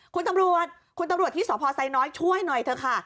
คุณตำรวจคุณตำรวจที่สพไซน้อยช่วยหน่อยเถอะค่ะ